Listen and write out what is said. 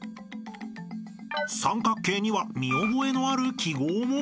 ［三角形には見覚えのある記号も］